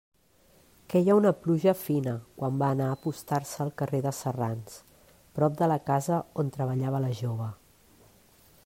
Queia una pluja fina quan va anar a apostar-se al carrer de Serrans, prop de la casa on treballava la jove.